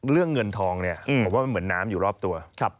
เรื่องเงินทองเนี่ยผมว่ามันเหมือนน้ำอยู่รอบตัว